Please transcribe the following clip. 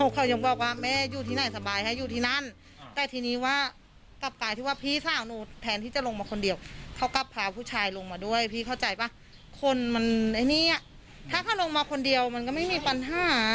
คนมันไอ้เนี้ยถ้าเข้าลงมาคนเดียวมันก็ไม่มีปัญหา